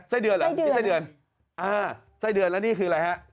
ไส้เดือนเหรอนี่ไส้เดือนอ่าไส้เดือนแล้วนี่คืออะไรฮะ